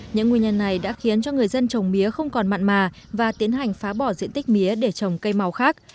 những nguyên nhân này đã khiến cho người dân trồng mía không còn mặn mà và tiến hành phá bỏ diện tích mía để trồng cây màu khác